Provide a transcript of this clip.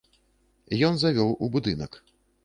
Ён завёў у будынак.